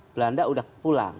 belanda sudah pulang